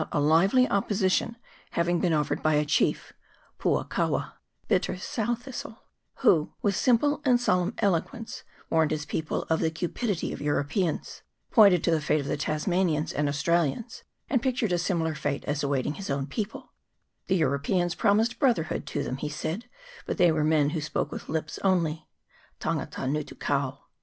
a lively opposition having been offered by a chief, Puakawa (Bitter Sowthistle), who, with simple and solemn eloquence, warned his people of the cupidity of Europeans, pointed to the fate of the Tasmanians and Australians, and pictured a similar fate as await ing his own people : the Europeans promised brother hood to them, he said, but they were men who spoke with the lips only (tangata ngutu kau).